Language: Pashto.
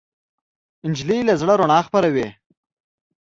نجلۍ له زړه رڼا خپروي.